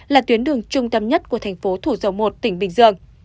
là tuyến đường trung tâm nhất của thành phố thủ dầu một tỉnh bình dương